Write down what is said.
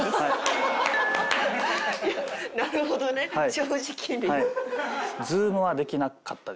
なるほどね正直に。